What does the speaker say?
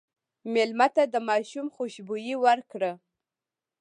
مېلمه ته د ماشوم خوشبويي ورکړه.